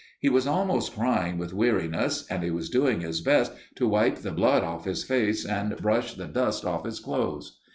He was almost crying with weariness and he was doing his best to wipe the blood off his face and brush the dust off his clothes.